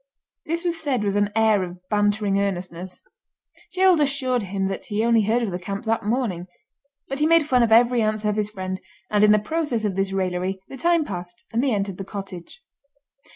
This was said with an air of bantering earnestness. Gerald assured him that he only heard of the camp that morning; but he made fun of every answer of his friend, and, in the process of this raillery, the time passed, and they entered the cottage.